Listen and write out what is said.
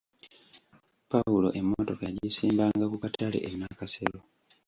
Pawulo emmotoka yagisimbanga ku katale e Nakasero.